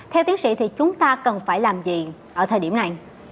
theo tiến sĩ thì chúng ta cần phải làm gì ở thời điểm này